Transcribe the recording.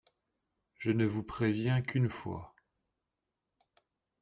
Je ne vous préviens qu’une fois.